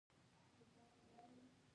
قومونه د افغان ښځو په ژوند کې هم یو رول لري.